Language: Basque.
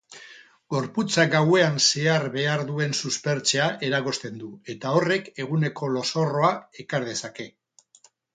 Gorputzak gauean zehar behar duen suspertzea eragozten du, eta horrek eguneko lozorroa ekar dezake.